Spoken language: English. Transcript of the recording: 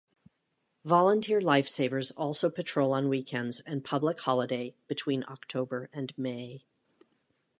Volunteer Life Savers also patrol on weekends and public holiday between October and May.